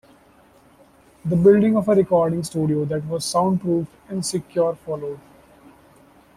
The building of a recording studio that was soundproofed and secure followed.